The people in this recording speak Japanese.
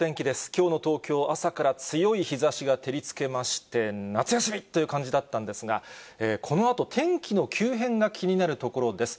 きょうの東京、朝から強い日ざしが照りつけまして、夏休みという感じだったんですが、このあと天気の急変が気になるところです。